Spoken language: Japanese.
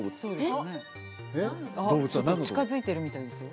あっちょっと近づいてるみたいですよ